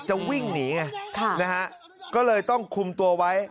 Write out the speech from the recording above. วิ่งหนีไงนะฮะก็เลยต้องคุมตัวไว้